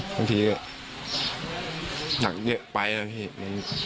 บางทีก็หนักเยอะไปบางที